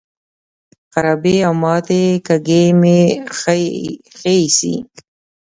خرابې او ماتې کاږي مې ښې ایسي.